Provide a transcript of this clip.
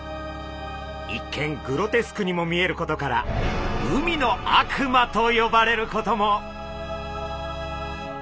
一見グロテスクにも見えることから海の悪魔と呼ばれることも。